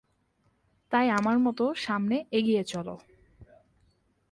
তাই আমার মত সামনে এগিয়ে চলো।